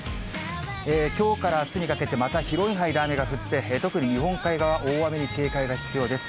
きょうからあすにかけて、また広い範囲で雨が降って、特に日本海側、大雨に警戒が必要です。